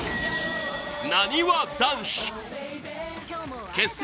なにわ男子結成